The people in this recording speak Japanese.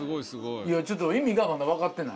いやちょっと意味がまだわかってない。